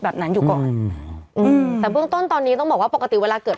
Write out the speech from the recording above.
แบบนั้นอยู่ก่อนอืมแต่เบื้องต้นตอนนี้ต้องบอกว่าปกติเวลาเกิด